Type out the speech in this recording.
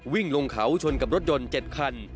วิ่งลงเขาชนกับรถยนต์๗คัน